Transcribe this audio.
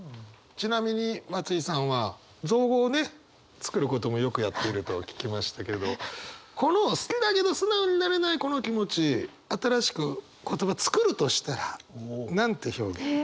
ちなみに松居さんは造語をね作ることもよくやっていると聞きましたけどこの好きだけど素直になれないこの気持ち新しく言葉作るとしたら何て表現？